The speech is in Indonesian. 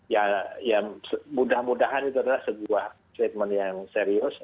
ya ya mudah mudahan itu adalah sebuah statement yang serius